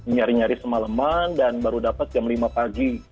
nyari nyari semalaman dan baru dapat jam lima pagi